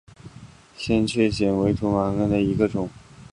仙鹤藓为土马鬃科仙鹤藓属下的一个种。